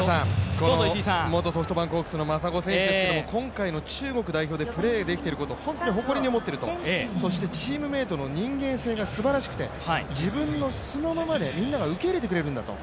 元ソフトバンクホークスの真砂選手ですけど今回の中国代表でプレーできていることを本当に誇りに思っていると、チームメイトの人間性がすばらしくて、自分の素のままでみんなが受け入れてくれるんだと。